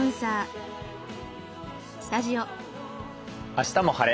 「あしたも晴れ！